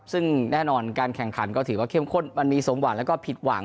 ซึ่งแน่นอนการแข่งขันก็ถือว่าเข้มข้นมันมีสมหวังแล้วก็ผิดหวัง